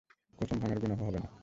কসম ভাঙ্গার গুনাহ হবে না।